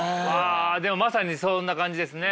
でもまさにそんな感じですね。